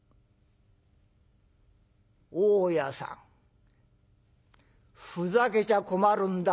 「大家さんふざけちゃ困るんだ